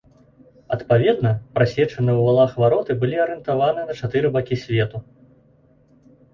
Адпаведна, прасечаныя ў валах вароты былі арыентаваны на чатыры бакі свету.